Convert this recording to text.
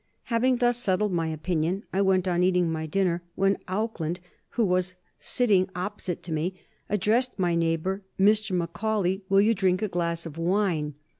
Having thus settled my opinion I went on eating my dinner, when Auckland, who was sitting opposite to me, addressed my neighbor: 'Mr. Macaulay, will you drink a glass of wine?'